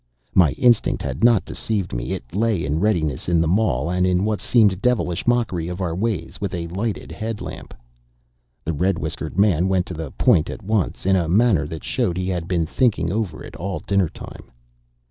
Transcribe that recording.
My instinct had not deceived me. It lay in readiness in the Mall, and, in what seemed devilish mockery of our ways, with a lighted head lamp. The red whiskered man went to the point at once, in a manner that showed he had been thinking over it all dinner time.